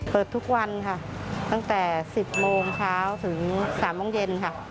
เปิดทุกวันค่ะตั้งแต่๑๐โมงเช้าถึง๓โมงเย็นค่ะ